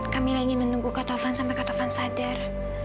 kamila ingin menunggu kak tovan sampai kak tovan sadar